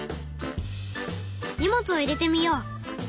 荷物を入れてみよう。